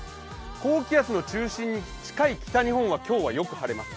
高気圧の中心に近い北日本は今日はよく晴れます。